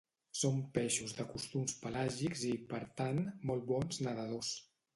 Són peixos de costums pelàgics i, per tant, molt bons nedadors.